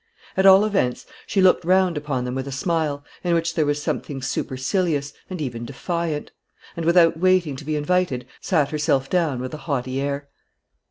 At all events, she looked round upon them with a smile, in which there was something supercilious, and even defiant; and, without waiting to be invited, sate herself down, with a haughty air.